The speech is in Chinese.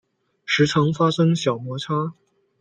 时常发生小摩擦